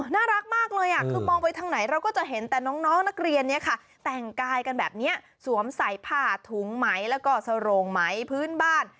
น่ารักมากเลยคือมองไปทางไหนเราก็จะเห็นแต่น้องนักเรียนเนี่ยค่ะแต่งกายกันแบบนี้สวมใส่ผ้าถุงไหมแล้วก็สโรงไหมพื้นบ้าน